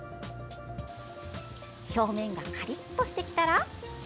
表面がカリッとしてきたら。